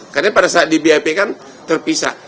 karena pada saat di bap kan terpisah